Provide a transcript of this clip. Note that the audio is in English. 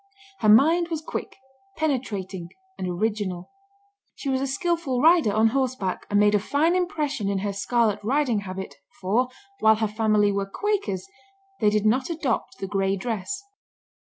Her mind was quick, penetrating, and original. She was a skilful rider on horseback, and made a fine impression in her scarlet riding habit, for, while her family were Quakers, they did not adopt the gray dress.